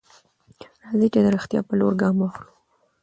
راځئ چې د رښتيا په لور ګام واخلو.